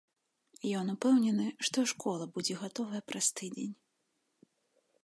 Ён упэўнены, што школа будзе гатовая праз тыдзень.